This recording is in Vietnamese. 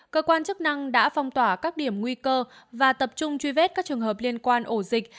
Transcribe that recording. cơ quan chức năng đã phong tỏa các điểm nguy cơ và tập trung truy vết các trường hợp liên quan ổ dịch